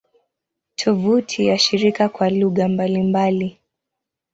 Tovuti ya shirika kwa lugha mbalimbali